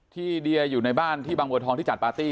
เดียอยู่ในบ้านที่บางบัวทองที่จัดปาร์ตี้